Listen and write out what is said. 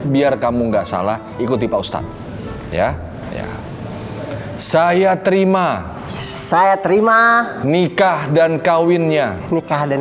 biar kamu nggak salah ikuti pak ustadz ya ya saya terima saya terima nikah dan kawinnya luka dan